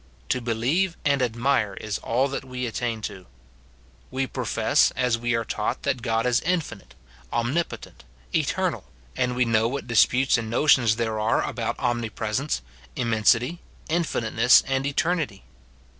To believe and admire is all that we attain to. We profess, as we are taught, that God is infinite, omnipotent, eternal; and we know what disputes and notions there are about omni presence, imm.ensity, infiniteness, and eternity.